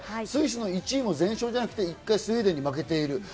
スイスの１位も全勝じゃなくて、１回スウェーデンに負けている。